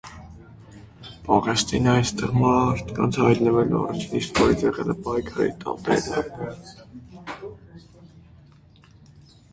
Պաղեստինը այստեղ մարդկանց հայտնվելու առաջին իսկ օրից եղել է պայքարի թատերաբեմ։